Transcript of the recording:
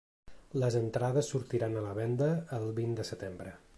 Les entrades sortiran a la venda el vint de setembre.